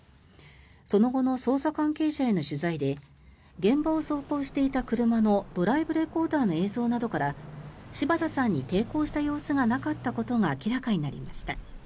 その後の捜査関係者への取材で現場を走行していた車のドライブレコーダーの映像などから柴田さんに抵抗した様子がなかったことが明らかになりました。